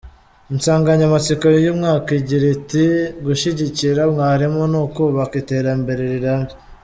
Insanganyamatsiko y’uyu mwaka igira iti ‘Gushyigikira Mwarimu ni ukubaka iterambere rirambye.